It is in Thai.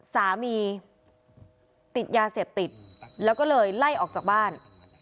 สามีติดยาเสพติดแล้วก็เลยไล่ออกจากบ้าน